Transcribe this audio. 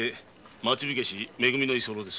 町火消し「め組」の居候です。